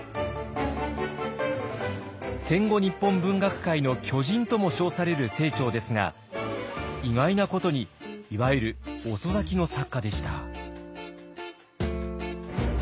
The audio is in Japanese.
戦後日本文学界の巨人とも称される清張ですが意外なことにいわゆる遅咲きの作家でした。